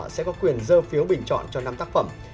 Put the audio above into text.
sẽ có quyền dơ phiếu bình chọn cho năm tác phẩm